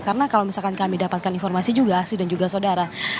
karena kalau misalkan kami dapatkan informasi juga asri dan juga saudara